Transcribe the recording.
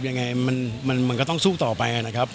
ยังไงมันก็ต้องสู้ต่อไปนะครับ